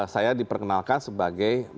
saya diperkenalkan sebagai menteri riset